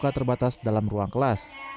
sisa siswa terbatas dalam ruang kelas